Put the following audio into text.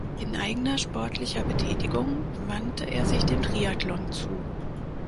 In eigener sportlicher Betätigung wandte er sich dem Triathlon zu.